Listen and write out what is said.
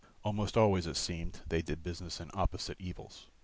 Almost always it seemed they did business in opposite evils.